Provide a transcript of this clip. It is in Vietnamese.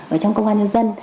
ở trong công an nhân dân